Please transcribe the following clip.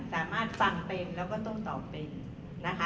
สามารถฟังเป็นแล้วก็ต้องตอบเป็นนะคะ